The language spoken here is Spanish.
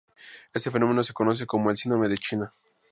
Este fenómeno se conoce como el Síndrome de China.